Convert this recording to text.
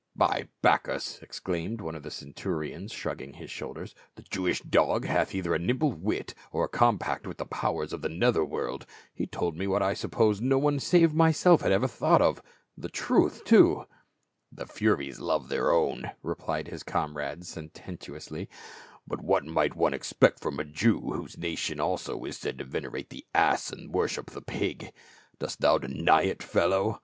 "By Bacchus!" exclaimed one of the centurions shrugging his shoulders. " The Jewish dog hath either a nimble wit or a compact with the powers of the nether world. He told me what I supposed no one save myself had ever thought of — the truth too." "The furies love their own," replied his comrade sententiously, "but what might one expect from a Jew, whose nation also is said to venerate the ass and worship the pig? Dost thou deny it, fellow?"